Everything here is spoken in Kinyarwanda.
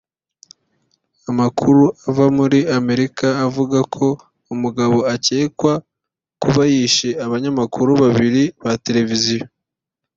Amakuru ava muri Amerika aravuga ko umugabo ukekwa kuba yishe abanyamakuru babiri ba televiziyo